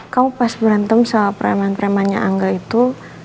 kamu pas berantem soal permannya angga itu